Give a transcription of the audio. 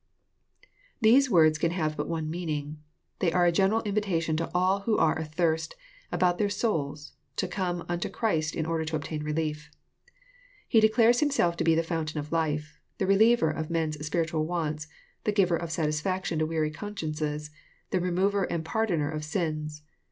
] These words can have but one meaning. — They are a general invitation to all who are athirst about their souls, to come nnto Christ in order to obtain relief. He declares Himself to be the fountain of life, — the reliever of man's spiritual wants, — the giver of satisfac tion to weary consciences, — the remover and pardoner of sins.